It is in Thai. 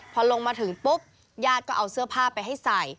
พอลงมาถึงปุ๊บญาติก็เอาเสื้อผ้าไปให้ใส่